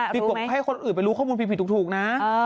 ให้คนอื่นไปรู้ข้อมูลผิดถูกนะ